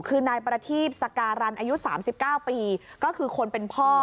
คือนายประทีปสการันอายุ๓๙ปีก็คือคนเป็นพ่อ